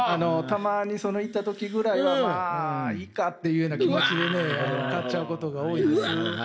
たまにその行った時ぐらいはまあいいかっていうような気持ちで買っちゃうことが多いんです。